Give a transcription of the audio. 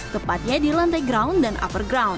tepatnya di lantai ground dan upper ground